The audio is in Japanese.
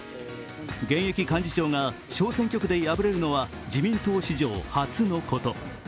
現役幹事長が小選挙区で敗れるのは自民党史上初のこと。